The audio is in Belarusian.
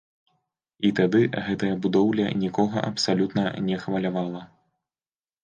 І тады гэтая будоўля нікога абсалютна не хвалявала.